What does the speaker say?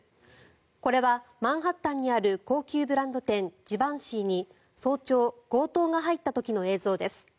これは、マンハッタンにある高級ブランド店、ジバンシィに早朝、強盗が入った時の映像です。